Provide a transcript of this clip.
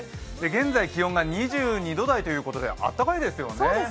現在、気温が２２度台ということであったかいですよね。